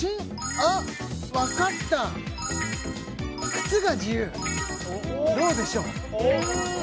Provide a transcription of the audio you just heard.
あっわかった靴が自由どうでしょう？